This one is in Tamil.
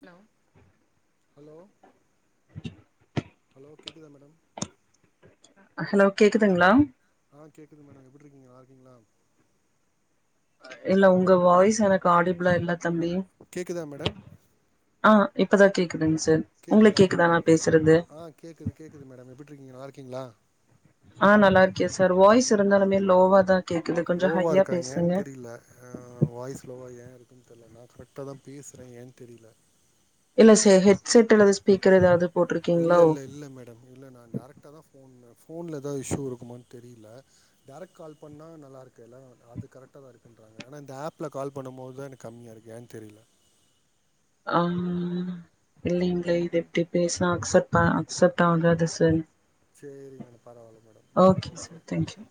ஹலோ ஹலோ ஹலோ கேக்குதா மேடம் ஹலோ கேக்குதுங்களா ஆ கேக்குது மேடம் எப்டி இருக்கீங்க நல்லா இரூக்கீங்களா இல்ல உங்க வாய்ஸ் எனக்கு ஆடிப்ளா இல்ல தம்பி கேக்குதா மேடம் ஆ இப்பதா கேக்குது கேக்குதா ஆ கேக்குது கேக்குது மேடம் எப்டி இருக்கீங்க நல்லா இருக் கீங்களா ஆ நல்லா இருக்கே சார் வாய்ஸ் இருந்தாலுமே லோவா தா இருக் லோவா இருக்கா ஏ தெரில ஆ வாய்ஸ் லோவா ஏ இருக்குன் நா கரெக்டா தா பேசுறே ஏன் தெரியல இல்ல சார் ஹெட்செட் அல்லது ஸ்பீக்கர் ஏதாவது போட்டிருக்கீங்களோ இல்ல இல்ல இல்ல மேடம் நா டேரக்ட்டா தா ஃபோன் ஃபோன்ல ஏதாவ இஷ்யூ இருக்குமான் தெரியல டேரெக்ட் கால் பண்ண நல்லாருக்குல அது கரெட்டா தா இருக்குன்றாங்க ஏன்னா இந்த ஆஃப்ல கால் பண்ணுபோது தா எனக்கு கம்மிய இருக்கு ஏன்னு தெரியல ஆ இல்லீங்களே இது எப்டி பேசுனா அக்சப்ட். அ அக்சப்ட் ஆகது சார் சேரி மேடம் பரவால்ல மேடம் ஓகே சார் தேங்க்யூ